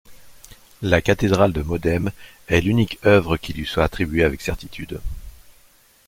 La cathédrale de Modène est l’unique œuvre qui lui soit attribuée avec certitude.